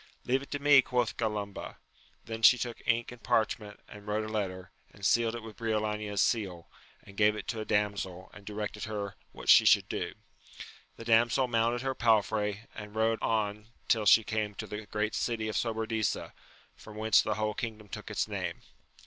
Leave it to me, quoth Gralumba* Then she took ink and parchment, and wrote a letter, and sealed it with Briolania's seal, and gave it to a damsel, and directed her what she should do. The damsel mounted her palfrey, and rode on till she came to the great city of Sobradisa, from whence the whole kingdom took its name.